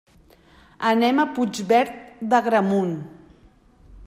Anem a Puigverd d'Agramunt.